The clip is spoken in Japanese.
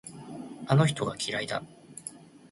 あの人が嫌いだ。